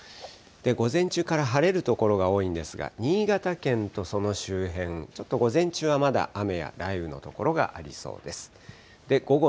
午前中から晴れる所が多いんですが、新潟県とその周辺、ちょっと午前中はまだ雨や雷雨の所がありそうです。